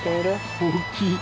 大きい。